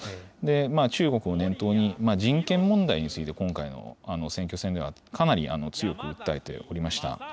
中国を念頭に、人権問題について、今回の選挙戦ではかなり強く訴えておりました。